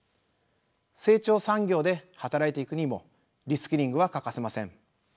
成長産業で働いていくにもリスキリングは欠かせません。